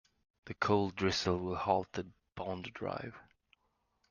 The cold drizzle will halt the bond drive.